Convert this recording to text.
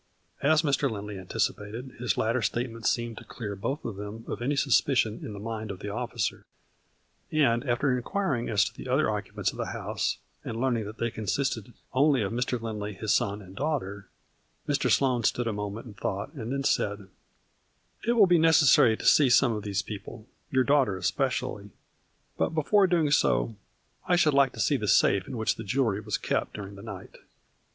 '' As Mr. Lindley anticipated, his latter state , ment seemed to clear both of them of any suspicion in the mind of the officer, and, after nquiring as to the other occupants of the house, and learning that they consisted only of Mr. Lindley, his son and daughter, Mr. Sloane stood a moment in thought and then said :" It will be necessary to see some of these people, your daughter especially, but, before doing so, I should like to see the safe in which the jewelry was kept during the night."